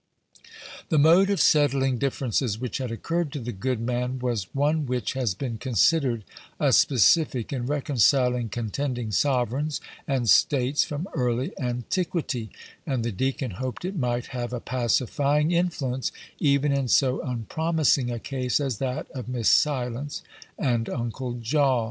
The mode of settling differences which had occurred to the good man was one which has been considered a specific in reconciling contending sovereigns and states from early antiquity, and the deacon hoped it might have a pacifying influence even in so unpromising a case as that of Miss Silence and Uncle Jaw.